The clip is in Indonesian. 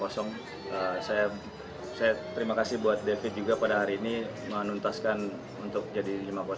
saya terima kasih buat david juga pada hari ini menuntaskan untuk jadi lima puluh satu